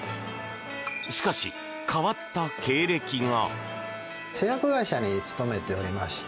しかし、変わった経歴が！